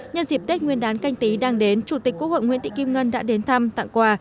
nhân dịp tết nguyên đán canh tí đang đến chủ tịch quốc hội nguyễn thị kim ngân đã đến thăm tặng quà